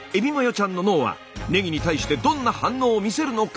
ちゃんの脳はねぎに対してどんな反応を見せるのか。